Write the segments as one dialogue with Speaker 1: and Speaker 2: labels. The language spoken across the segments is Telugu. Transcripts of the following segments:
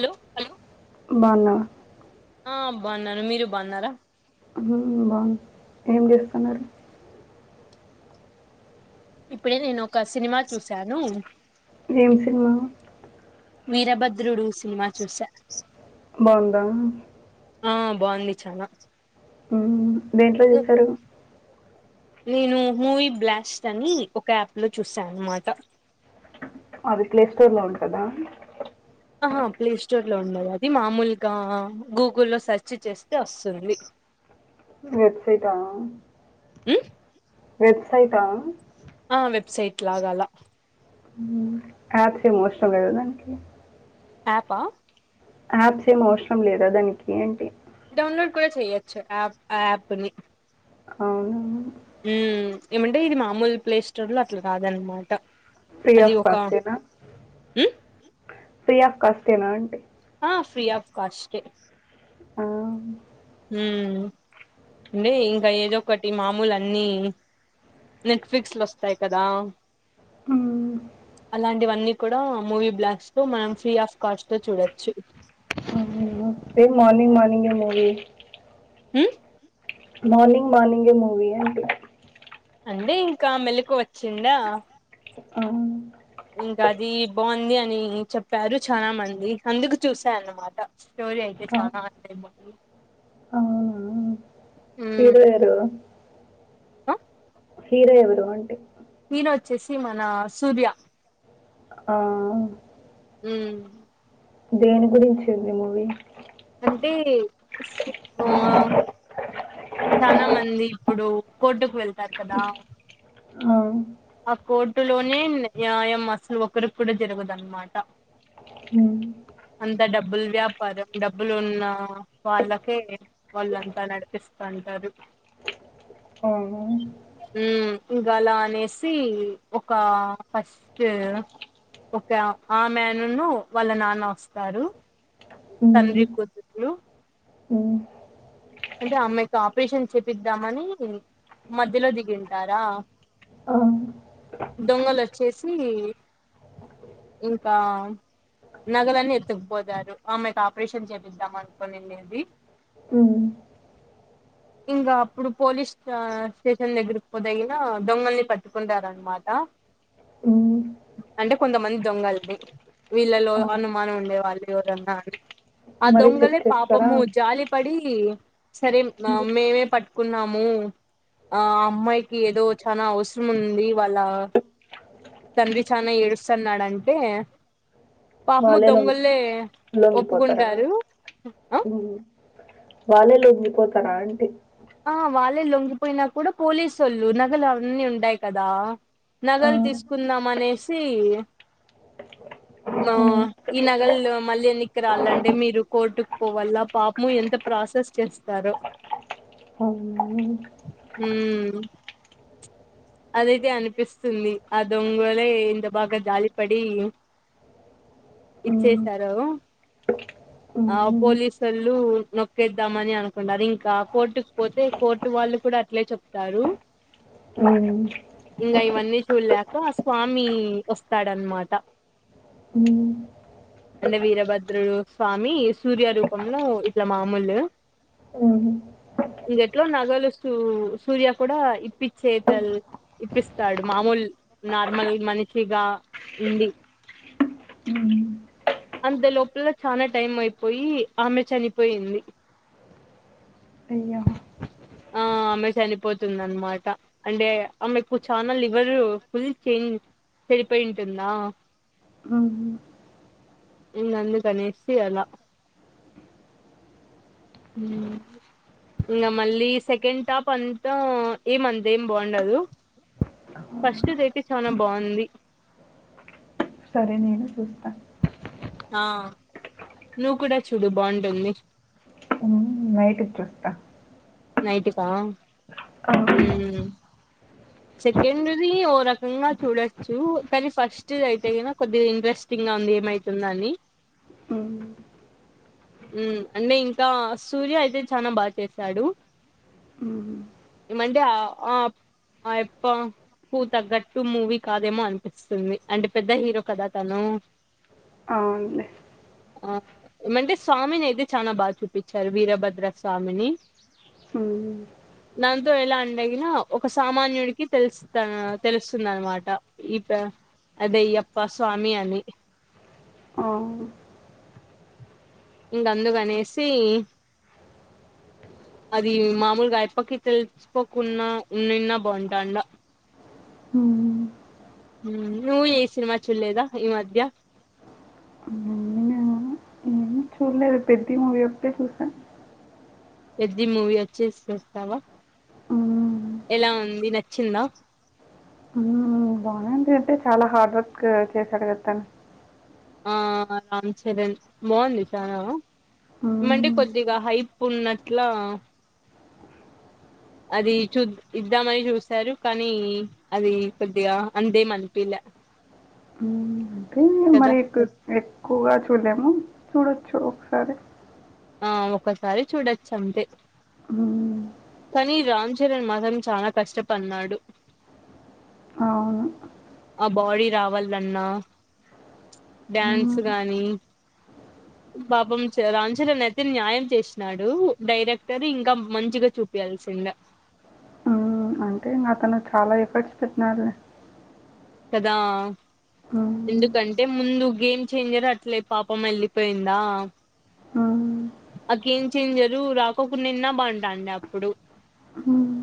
Speaker 1: హలో
Speaker 2: బాగున్నావా
Speaker 1: ఆ బావున్నాను మీరు బావున్నార
Speaker 2: హమ్ బాగున్నా ఏం చేస్తున్నారు
Speaker 1: ఇప్పుడే నేను ఒక సినిమా చూశాను
Speaker 2: ఏం సినిమా
Speaker 1: వీరభద్రుడు సినిమా చూసా
Speaker 2: బాగుందా
Speaker 1: ఆ బాగుంది చాలా
Speaker 2: ఉమ్ దేంట్లో చూసారూ
Speaker 1: నేను మూవీ బ్లాస్ట్ అని ఒక యాప్ లో చూసాను అన్న మాట
Speaker 2: అది ప్లే స్టోర్ లో ఉంటాదా
Speaker 1: ఆహ ప్లే స్టోర్ లో ఉండదు అది మామూలుగా గూగుల్లో సెర్చ్ చేస్తే వస్తుంది [inaudible]
Speaker 2: వెబ్ సైట్ ఆ
Speaker 1: ఏ [inaudible]
Speaker 2: వెబ్సైట్ ఆ
Speaker 1: ఆ వెబ్సైట్ లాగా అలా
Speaker 2: ఆప్ కి ఎమోషనల్ లేదా దానికి
Speaker 1: ఆప్ ఆ
Speaker 2: ఆప్స్ ఏం అవసరం లేదా దానికి
Speaker 1: డౌన్లోడ్ కూడా చెయ్యోచు అప్ ఆ ఆప్ ని
Speaker 2: అవును
Speaker 1: ఉమ్ ఏమండి ఇది మామూలు ప్లే స్టోర్ లో అట్లా రాదన్నమాట
Speaker 2: ఫ్రీ ఆఫ్ కాస్ట్ ఏనా
Speaker 1: ఉమ్,
Speaker 2: ఫ్రీ ఆఫ్ కాస్ట్ ఏనా అంటే
Speaker 1: ఆ ఫ్రీ ఆఫ్ కాస్ట్ ఏ
Speaker 2: ఆ
Speaker 1: ఉమ్ అంటే ఇంకా ఏదో ఒకటి మామూలు అన్ని నెట్ ఫ్లిక్స్ లో వస్తాయి కదా
Speaker 2: మ్మ్,
Speaker 1: అలాంటివన్నీ కూడా మూవీ బ్లాస్ట్ తో మనం ఫ్రీ ఆఫ్ కాస్ట్ తో చూడొచ్చు
Speaker 2: ఏం మార్నింగ్ మార్నింగే మూవి
Speaker 1: హమ్
Speaker 2: మార్నింగ్ మార్నింగే మూవీ ఆ
Speaker 1: అంటే ఇంకా మెలుకువా వచ్చిందా
Speaker 2: ఆ
Speaker 1: ఇంకా అది బాగుంది అని చెప్పారు చాలా మంది అందుకు చూసానన్నా మాట స్టోరి అయితే
Speaker 2: ఆ.
Speaker 1: చానా అదిరిపోతుంది హమ్
Speaker 2: హలో
Speaker 1: ఆ
Speaker 2: హీరో ఎవరు
Speaker 1: హీరో వచ్చేసి మన సూర్య
Speaker 2: ఆ
Speaker 1: ఉమ్
Speaker 2: దేని గురించి ఉంది మూవీ
Speaker 1: అంటే ఆ చాలా మంది ఇప్పుడు కోర్టుకు వెళ్తారు కదా ఆ కోర్టులోనే నా న్యాయం అసలు ఒకరి కూడా జరగదన్నమాట
Speaker 2: ఉమ్
Speaker 1: అంత డబ్బులు వ్యాపారం డబ్బులు ఉన్నా వాళ్ళకే వాళ్ళంతా నడిపిస్తంటారు
Speaker 2: అవును
Speaker 1: ఉమ్ ఇగలా అనేస్ సి ఒకా ఫస్ట్ ఒక ఆమేనును వాళ్ళ నాన్న వస్తారు తంద్రి కూతుర్లు
Speaker 2: ఉమ్
Speaker 1: అంటే ఆమ్మెకి ఆపరేషన్ చేపిద్దామని మధ్యలో దిగింటారా
Speaker 2: ఆ
Speaker 1: దొంగలోచ్చేసి ఇంకా నగలన్ని ఎత్తుకుపోతారు ఆమెకు ఆపరేషన్ చేపిద్దాం అనుకోనిండేది
Speaker 2: ఉమ్
Speaker 1: ఇంకా అప్పుడు పోలీస్ ఆ స్టేషన్ దగ్గరకి పోతేగిన దొంగల్ని పట్టుకుంటారనమాట
Speaker 2: ఉమ్
Speaker 1: అంటే కొంతమంది దొంగల్ని వీళ్ళలో అనుమానం ఉండే వాళ్ళు ఎవరన్నా అని ఆ
Speaker 2: మరి చెక్
Speaker 1: దొంగలే
Speaker 2: చేస్తారా
Speaker 1: పాపము జాలి పడి సరే మా మేమే పట్ కున్నాము ఆ అమ్మాయికి ఏదో చానా అవసరం ఉంది వాళ్ళ తండ్రి చానా ఏడుస్తన్నాడంటే పాపము
Speaker 2: వాళ్ళే లొంగి
Speaker 1: దొంగోలే
Speaker 2: లొంగిపోతారా
Speaker 1: ఒప్పుకుంటారు ఉమ్ ఆ
Speaker 2: వాళ్ళే లొంగీ పోతారా అంటి
Speaker 1: ఆ వాళ్ళే లొంగిపోయినా కూడా పోలీసు వాళ్ళు నగలు అవన్నీ ఉంటాయి కదా
Speaker 2: ఆ,
Speaker 1: నగలు తీసుకుందాం అనేసి ఆ
Speaker 2: ఉమ్
Speaker 1: ఈ నగలు మళ్ళీ ఎన్నికి రాలంటే మీరు కోర్టుకు పోవల్ల పాపము ఎంత ప్రాసెస్ చేస్తారో
Speaker 2: అవునా
Speaker 1: ఉహ్మ్ అదైతే అనిపిస్తుంది ఆ దొంగోలే ఎంత బాగా జాలిపడి
Speaker 2: ఉమ్,
Speaker 1: ఇచ్చేేశారో
Speaker 2: ఉమ్,
Speaker 1: ఆ
Speaker 2: ఉమ్,
Speaker 1: పోలీసోళ్ళు నొక్కేద్దామని అనుకుంటారు ఇంకా కోర్టుకి పోతే కోర్టు వాళ్ళు కూడా అట్లే చెప్తారు
Speaker 2: ఉమ్
Speaker 1: ఇంకా ఇవన్నీ చూడలేక స్వామి వస్తాడనమాట
Speaker 2: ఉమ్
Speaker 1: అంటే వీరభద్రుడు స్వామి సూర్య రూపంలో ఇట్లా మామూలు
Speaker 2: ఉమ్
Speaker 1: ఇంగెట్లో నగలు సు సూర్య కూడా ఇప్పిచ్చేతలు ఇప్పిస్తాడు మామోల్ నార్మల్ మనిషిగా ఉండి
Speaker 2: ఉమ్
Speaker 1: అంత లోపల చానా టైం అయిపోయి ఆమె చనిపోయింది
Speaker 2: అయ్యో
Speaker 1: ఆ అమె చనిపోతుంది అనమాట అంటే ఆ మీకు చాలా లివర్ ఫుల్ చేంజ్ చెరిపోయింటుందా
Speaker 2: ఊ
Speaker 1: ఇంగ అందుకు అనేసి అలా ఊ ఇంకా మళ్ళీ సెకండ్ టాప్ అంతా ఏమంత ఏం బాగుండదు ఫస్ట్ అయితే చాల బాగుంది
Speaker 2: సరే నేను చూస్తా
Speaker 1: ఆ నువ్వు కూడా చూడు బాగుంటుంది
Speaker 2: ఉ నైట్ కు చూస్తా
Speaker 1: నైట్కా
Speaker 2: అవును.
Speaker 1: ఊ సెకండ్ది ఓ రకంగా చూడొచ్చు కానీ ఫస్ట్ది అయితే గినా కొద్దిగా ఇంట్రెస్ట్ ఇంకా ఉంది ఏమైతుంద అని
Speaker 2: ఊ
Speaker 1: ఊ అంటే ఇంకా సూర్య అయితే చనా బాగా చేశాడు
Speaker 2: హ్మ్.
Speaker 1: ఈ మధ్య ఆ ఆప్ ఆయప్ప తగ్గట్టు మూవీ కాదేమో అనిపిస్తుంది అంటే పెద్ద హీరో కదా తను
Speaker 2: అవును లే
Speaker 1: ఆ ఏమంటే స్వామిని అయితే చాలా బాగా చూపించారు వీరభద్ర స్వామిని
Speaker 2: ఊ
Speaker 1: దాంతో ఎలా అంటె గిన ఒకస్ సామాన్యుడికి తెలుస్త తెలుస్తుందన మాట ఈ ప్ర అద అయ్యప్ప స్వామి అని
Speaker 2: ఆ
Speaker 1: ఇంక అందుకనేసి అది మామూలుగా అయప్పకి తెలుసుపోకున్న ఉన్నిన్నా బాగుంటాండా
Speaker 2: ఊ
Speaker 1: నువ్ ఏ సినిమా చుడాలేదా ఈ మధ్య
Speaker 2: ఆ నేనా ఉ చూలేడూ పెద్ది మూవీ ఒకటే చుసా
Speaker 1: పెద్ది మూవీ వచ్చేేస్ చూస్తావా
Speaker 2: హ్మ్.
Speaker 1: ఎలా ఉంది నచ్చిందా
Speaker 2: ఇంకా అంటే చాలా హార్డ్ వర్క్ చేశాడు క తను
Speaker 1: ఆ రామ్ చరణ్ బాగుంది చనా ఏమంటే
Speaker 2: హ్మ్.
Speaker 1: కొద్దిగా హైప్ ఉన్నట్ల అది చూద్ ఇద్దామని చూసారు కానీ అది కొద్దిగా అంత ఏం అనిపియాలే అ
Speaker 2: అంటే మరి ఎక్కువగా చూలేము చూడొచ్చు ఒకసారి
Speaker 1: ఆ ఒకసారి చూడొచ్చు అంతే
Speaker 2: ఆ
Speaker 1: కానీ రామ్ చరణ్ మాత్రం చాలా కష్టపడ్నడు
Speaker 2: అవును
Speaker 1: ఆ బాడీ రావాలన్నా డ్యాన్స్
Speaker 2: హ్మ్.
Speaker 1: గానీ పాపం చ రామ్ చరణ్ అయితే న్యాయం చేసినాడు డైరెక్టర్ ఇంకా మంచిగా చూపియాల్సుండే
Speaker 2: ఉమ్ అతను చాలా ఎఫర్ట్స్ పెట్టినాడు
Speaker 1: కదా
Speaker 2: హ్మ్.
Speaker 1: ఎందుకంటే ముందు గేమ్ చేంజర్ అట్లే పాపం వెళ్ళిపోయిందా
Speaker 2: ఉమ్మ్
Speaker 1: ఆ గేమ్ ఛేంజరు రాకోకుండున్నా బాగుంటాంది అప్పుడు
Speaker 2: హుమ్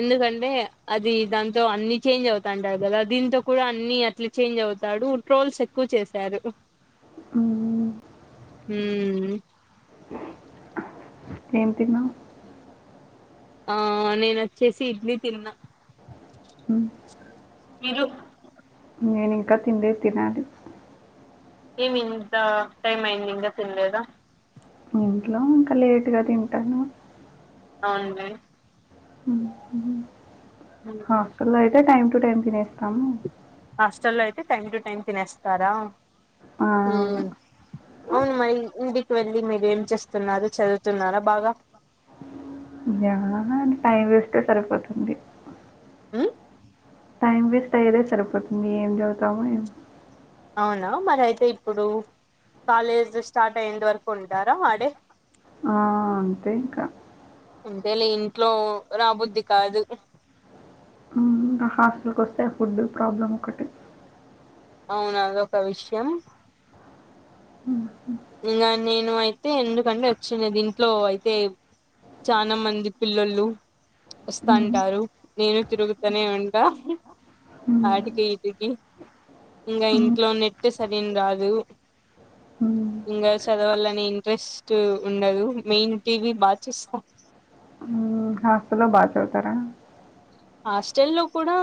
Speaker 1: ఎందుకంటే అది దాంతో అన్ని చేంజ్ అవుతాండాయి కదా దీంతో కూడా అన్ని అట్లా చేంజ్ అవుతాడు ట్రోల్స్ ఎక్కువ చేశారు.
Speaker 2: హ్మ్.
Speaker 1: ఉమ్మ్
Speaker 2: ఏం తిన్నావ్?
Speaker 1: ఆ నేను వచ్చేసి ఇడ్లీ తిన్నా
Speaker 2: హ్మ్.
Speaker 1: వీడియో
Speaker 2: నేను ఇంకా తిన్లేదు తినాలి
Speaker 1: ఏమి ఇంత టైమ్ అయింది ఇంకా తిన్లేదా?
Speaker 2: ఇంట్లో ఇంకా లేటుగా తింటాను
Speaker 1: అవున్లే
Speaker 2: హాస్టల్లో అయితే టైమ్ టు టైమ్ తినేస్తాము
Speaker 1: హాస్టల్లో అయితే టైమ్ టు టైమ్ తినేస్తారా
Speaker 2: ఆ అవును
Speaker 1: అవును మరి ఇంటికి వెళ్ళి మీరు ఏం చేస్తున్నారు చదువుతున్నారా బాగా
Speaker 2: [unintelligible] టైం వేస్తే సరిపోతుంది
Speaker 1: ఉమ్మ్
Speaker 2: టైం వేస్ట్ అయ్యేదే సరిపోతుంది ఏం చదువుతామో ఏమో
Speaker 1: అవునా మరి అయితే ఇప్పుడు కాలేజ్ స్టార్ట్ అయ్యేంత వరకు ఉంటారా అడే
Speaker 2: ఆ! అంతే ఇంకా
Speaker 1: అంతేలే ఇంట్లో రాబుద్ది కాదు
Speaker 2: మ్మ్ హాస్టల్ కి వస్తే ఫుడ్ ప్రాబ్లమ్ ఒకటి
Speaker 1: అవును అదొక విషయం
Speaker 2: హ్మ్.
Speaker 1: ఇంకా నేను అయితే ఎందుకంటే వచ్చింది ఇది ఇంట్లో అయితే చానామంది పిల్లలు
Speaker 2: హ్మ్.
Speaker 1: వస్తాంటారు, నేను తిరుగుతూనే ఉంటా
Speaker 2: హ్మ్.
Speaker 1: ఆటికి ఈటికి ఇంకా
Speaker 2: హ్మ్.
Speaker 1: ఇంట్లో నెట్ సరింగా రాదు
Speaker 2: హ్మ్.
Speaker 1: ఇంకా చదవాలనే ఇంట్రెస్ట్ ఉండదు మెయిన్ టీవీ బాగా చూస్తా
Speaker 2: ఇంకా హాస్టల్లో బాగా చదువుతారా
Speaker 1: హాస్టల్ లో కూడా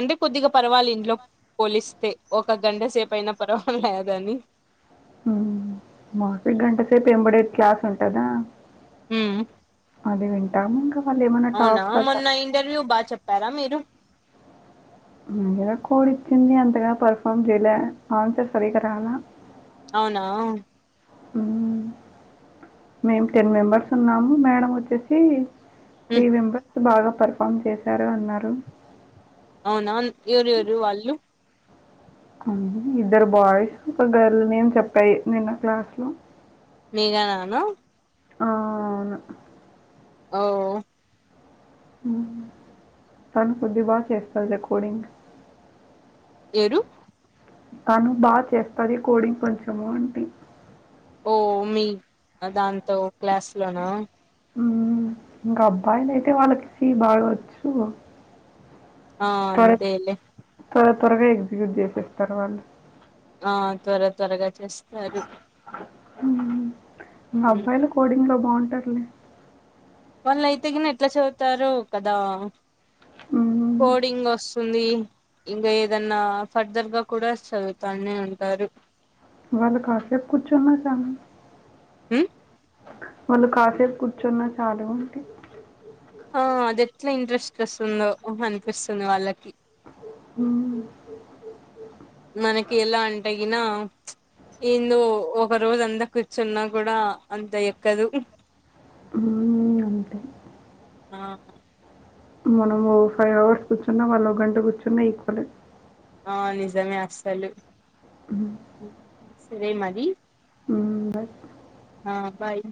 Speaker 1: అంటే కొద్దిగా పర్వాలే ఇంట్లో పోలిస్తే ఒక గంటసేపు అయినా పర్వాలేదని
Speaker 2: ఒకగంట సేపు ఎంబడే క్లాస్ ఉంటదా
Speaker 1: ఉమ్మ్
Speaker 2: అది వింటాము ఇంకా వాళ్ళు ఏమన్నా
Speaker 1: అవునా
Speaker 2: టాప్
Speaker 1: మొన్న
Speaker 2: [unintelligible]
Speaker 1: ఇంటర్వ్యూ బాగా చెప్పారా మీరు
Speaker 2: ముందర కోడ్ ఇచ్చింది అంతగా పర్ఫార్మ్ చేయలా ఆన్సర్ సరిగా రాలా
Speaker 1: అవునా
Speaker 2: ఉ మేము టెన్ మెంబెర్స్ ఉన్నాము మేడం వచ్చేసి త్రీ
Speaker 1: ఉమ్
Speaker 2: మెంబెర్స్ బాగా పర్ఫె ఫమ్ చేశారు అన్నారు
Speaker 1: అవునా ఎవరు ఎవరు అల్లు
Speaker 2: ఇద్దరు బాయ్స్ ఒక గర్ల్ నేం చెప్పాయి నిన్న క్లాస్ లో
Speaker 1: మేఘననా
Speaker 2: అ ఆమె
Speaker 1: ఓ
Speaker 2: తను కొద్ది బాగా చేస్తారు రికార్ర్డింగ్
Speaker 1: ఏడు
Speaker 2: తను బాగా చేస్తది కోడింగ్ కొంచెము అంటే
Speaker 1: ఓ మీ దాంట్లో క్లాస్ లోనా
Speaker 2: ఇంకా అబ్బాయిలు అయితే వాళ్ళకి హిందీ బాగవచ్చు
Speaker 1: ఆ అంతే లే
Speaker 2: అ త్వర త్వరగా ఎగ్జిక్యూట్ చేసేస్తారు తర్వాత
Speaker 1: ఆ సరే సరే త్వరగా చేస్తారు
Speaker 2: మా
Speaker 1: ఉమ్
Speaker 2: అబ్బాయిలు కోడింగ్ లో బాగుంటాది
Speaker 1: వాళ్ళు అయితే కాని ఎట్లా చదువుతారు కదా
Speaker 2: హ్మ్.
Speaker 1: కోడింగ్ వస్తుంది ఇంకా ఏదన్నా ఫర్దర్ గా కూడా చదువుతానే ఉంటారు
Speaker 2: వాళ్ళ కాఫ అబ్ కుచ్చ చున్నా మంట
Speaker 1: ఉం
Speaker 2: వాళ్ళు కాసేపు కూర్చున్న చాలు
Speaker 1: ఆ అది ఎట్లా ఇంట్రెస్ట్ వస్తుందో అనిపిస్తుంది వాళ్ళకి
Speaker 2: హ్మ్.
Speaker 1: మనకి ఎలా అంటె గినా ఇందు ఒక రోజు అంతా కూర్చున్నా కూడా అంత ఎక్కదు
Speaker 2: ఆవు
Speaker 1: ఆ
Speaker 2: మనము ఒ ఫైవ్ అవర్స్ కూర్చున్నా వాళ్ళ ఒక గంట కూర్చున్న ఈక్వల్
Speaker 1: ఆ నిజమే అసాలు
Speaker 2: ఉ
Speaker 1: ఎ మాది
Speaker 2: ముంబయి
Speaker 1: హ బాయ్